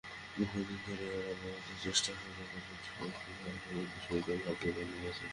বহুদিন ধরিয়া অনবরত চেষ্টা করিয়া রাজবাটীর সমস্ত দাসদাসীর সহিত সে ভাব করিয়া লইয়াছে।